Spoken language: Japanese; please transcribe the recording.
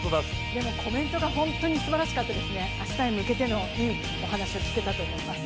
でもコメントが本当にすばらしかったですね、明日に向けていいお話を聞けたかと思います。